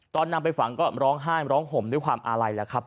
ตอนนำไปฝังก็ร้องไห้ร้องห่มด้วยความอาลัยแล้วครับ